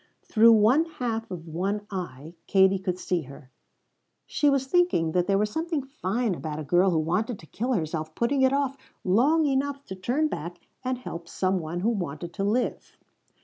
Through one half of one eye Katie could see her; she was thinking that there was something fine about a girl who wanted to kill herself putting it off long enough to turn back and help some one who wanted to live.